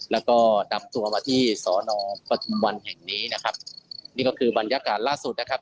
แล้วก็นำตัวมาที่สอนอปฐุมวันแห่งนี้นะครับนี่ก็คือบรรยากาศล่าสุดนะครับ